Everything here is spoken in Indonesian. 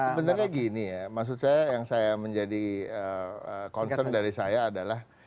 sebenarnya gini ya maksud saya yang saya menjadi concern dari saya adalah